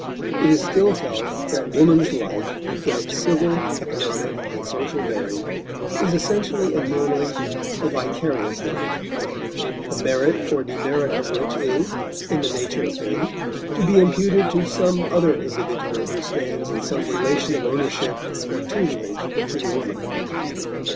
It is still felt that woman's life, in its civil, economic, and social bearing, is essentially and normally a vicarious life, the merit or demerit of which is, in the nature of things, to be imputed to some other individual who stands in some relation of ownership or tutelage to the woman.